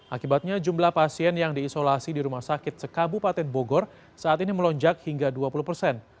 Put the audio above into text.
akibatnya jumlah pasien yang diisolasi di rumah sakit sekabupaten bogor saat ini melonjak hingga dua puluh persen